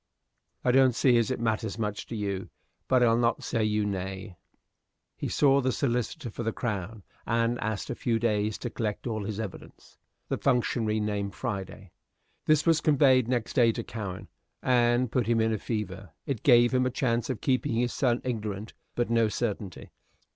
I don't see as it matters much to you; but I'll not say you nay." He saw the solicitor for the Crown, and asked a few days to collect all his evidence. The functionary named Friday. This was conveyed next day to Cowen, and put him in a fever; it gave him a chance of keeping his son ignorant, but no certainty.